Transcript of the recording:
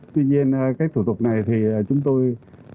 tuy nhiên cái thủ tục này thì chúng tôi chưa có được